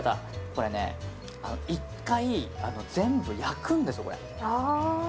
これね、１回全部焼くんです。